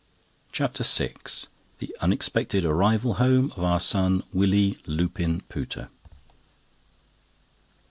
CHAPTER VI The Unexpected Arrival Home of our Son, Willie Lupin Pooter.